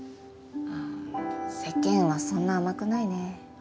あぁ世間はそんな甘くないね。